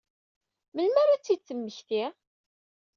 Melmi ara ad tt-id-temmekti?